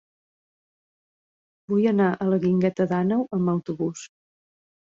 Vull anar a la Guingueta d'Àneu amb autobús.